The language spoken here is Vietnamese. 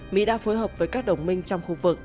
mỹ đã phối hợp với các đồng minh trong khu vực